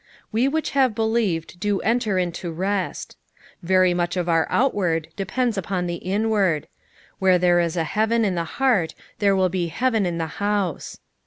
"We which have belitved do enter into rest." Very much of our outward depends upon the inwnrd ; where there is heaven in the heart there will be heaven in the house.